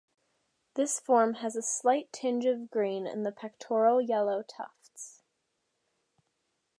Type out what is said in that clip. This form has a slight tinge of green in the pectoral yellow tufts.